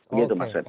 begitu mas reti